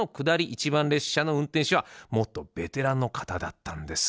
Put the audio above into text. １番列車の運転士はもっとベテランの方だったんです。